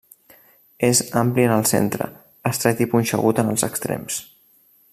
És ampli en el centre, estret i punxegut en els extrems.